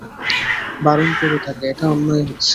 বারণ করো তাঁকে, এটা অন্যায় হচ্ছে।